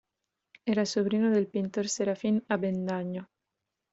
Era sobrino del pintor Serafín Avendaño.